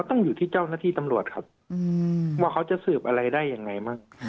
ต้องอยู่ที่เจ้าหน้าที่ตำรวจครับว่าเขาจะสืบอะไรได้ยังไงบ้าง